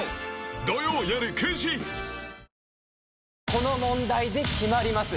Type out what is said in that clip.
この問題で決まります。